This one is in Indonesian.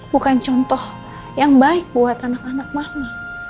bukan contoh yang baik buat anak anak mah